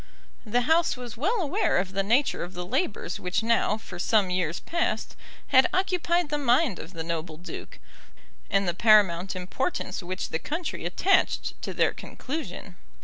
The House was well aware of the nature of the labours which now for some years past had occupied the mind of the noble duke; and the paramount importance which the country attached to their conclusion.